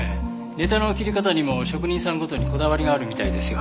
ネタの切り方にも職人さんごとにこだわりがあるみたいですよ。